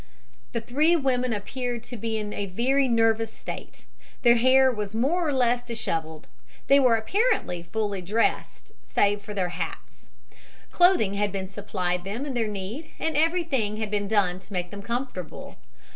The three women appeared to be in a very nervous state. Their hair was more or less dishevelled. They were apparently fully dressed save for their hats. Clothing had been supplied them in their need and everything had been done to make them comfortable.